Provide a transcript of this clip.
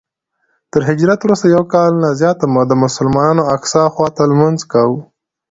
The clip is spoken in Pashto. تر هجرت وروسته یو کال نه زیاته موده مسلمانانو الاقصی خواته لمونځ کاوه.